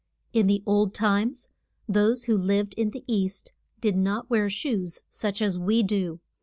In old times those who lived in the East did not wear shoes such as we do.